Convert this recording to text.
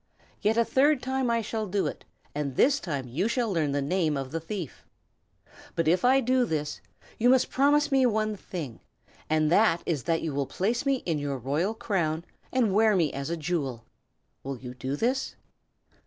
Yet a third time I shall do it, and this time you shall learn the name of the thief. But if I do this, you must promise me one thing, and that is that you will place me in your royal crown and wear me as a jewel. Will you do this?"